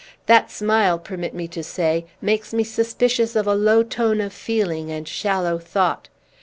"That smile, permit me to say, makes me suspicious of a low tone of feeling and shallow thought.